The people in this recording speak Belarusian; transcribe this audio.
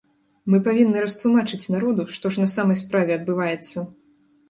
Мы павінны растлумачыць народу, што ж на самай справе адбываецца.